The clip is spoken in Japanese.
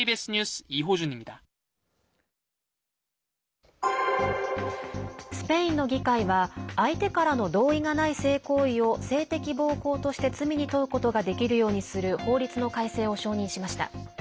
スペインの議会は相手からの同意がない性行為を性的暴行として罪に問うことができるようにする法律の改正を承認しました。